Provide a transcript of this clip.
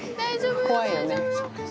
怖いよね。